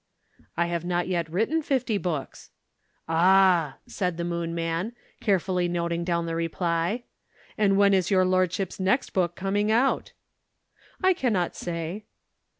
"I have not yet written fifty books." "Ah!" said the Moon man, carefully noting down the reply. "And when is your lordship's next book coming out?" "I cannot say."